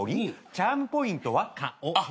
「チャームポイントは香り」